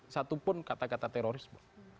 satupun kata kata terorisme